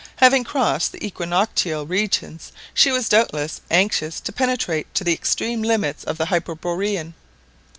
Having crossed the equinoctial regions, she was doubtless anxious to penetrate to the extreme limits of the hyperborean.